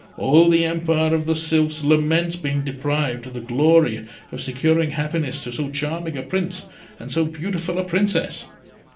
All the Empire of the Sylphs laments being deprived of the glory of securing happiness to so charming a Prince and so beautiful a Princess."